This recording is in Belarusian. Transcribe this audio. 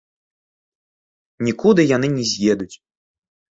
Нікуды яны не з'едуць!